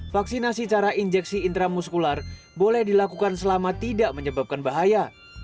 vaksinasi cara injeksi intramuskular boleh dilakukan selama tidak menyebabkan bahaya